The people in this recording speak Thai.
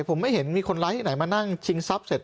ผมไม่เห็นมีคนร้ายที่ไหนมานั่งชิงทรัพย์เสร็จ